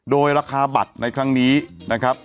โดยราคาบัตรในครั้งนี้นะครับ